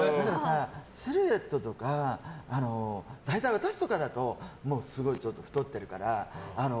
シルエットとか私とかだと太ってるから。